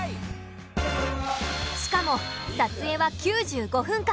しかも撮影は９５分間。